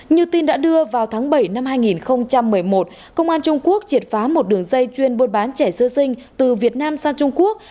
như tin đã đưa vào tháng bảy năm hai nghìn một mươi một công an trung quốc triệt phá một đường dây chuyên bôn bán trẻ sơ sinh từ việt nam sang trung quốc